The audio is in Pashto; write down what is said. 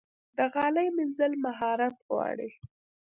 د غالۍ مینځل مهارت غواړي.